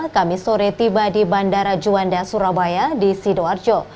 kami sore tiba di bandara juanda surabaya di sidoarjo